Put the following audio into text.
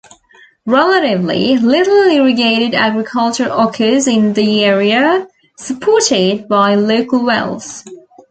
Relatively little irrigated agriculture occurs in the area, supported by local wells.